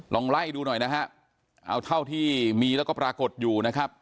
ลองไล่ดูหน่อยนะฮะเอาเท่าที่มีแล้วก็ปรากฏอยู่นะครับ